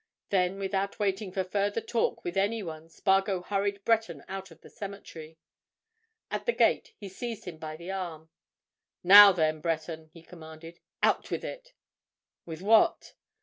Then, without waiting for further talk with any one, Spargo hurried Breton out of the cemetery. At the gate, he seized him by the arm. "Now, then, Breton!" he commanded. "Out with it!" "With what?"